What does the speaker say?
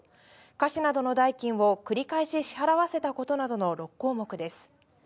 菓子などの代金を繰り返し支払わせたことなどの６項目です。